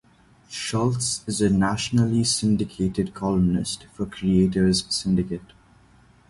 Schultz is a nationally syndicated columnist for Creators Syndicate.